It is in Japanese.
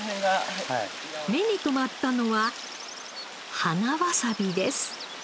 目に留まったのは花わさびです。